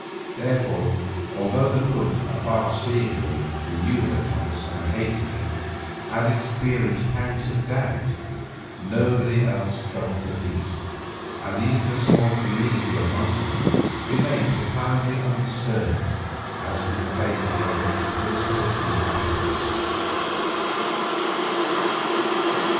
Therefore, although the cook, a far seeing woman who knew her Thomas and hated him, had experienced pangs of doubt, nobody else troubled the least, and even the small community of Monksland remained profoundly undisturbed as to the fate of one of its principal inhabitants.